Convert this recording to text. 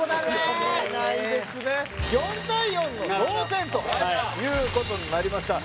４対４の同点ということになりました